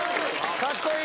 かっこいい。